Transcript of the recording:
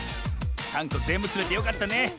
３こぜんぶつめてよかったね。